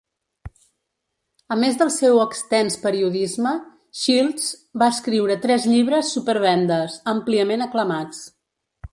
A més del seu extens periodisme, Shilts va escriure tres llibres supervendes, àmpliament aclamats.